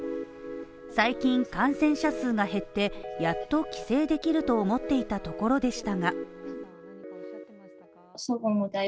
最近、感染者数が減って、やっと帰省できると思っていたところでした。